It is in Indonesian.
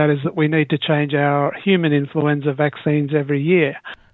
adalah kita perlu mengubah vaksin influenza manusia setiap tahun